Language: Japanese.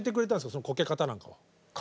そのこけ方なんかは。